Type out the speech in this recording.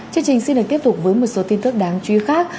chương trình xin được tiếp tục với một số tin tức đáng chú ý khác